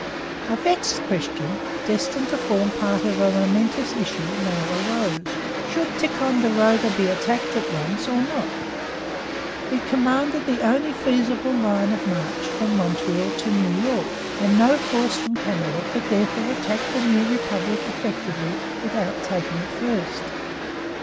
A vexed question, destined to form part of a momentous issue, now arose. Should Ticonderoga be attacked at once or not? It commanded the only feasible line of march from Montreal to New York; and no force from Canada could therefore attack the new republic effectively without taking it first.